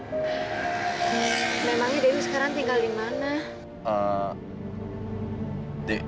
memangnya dewi sekarang tinggal di mana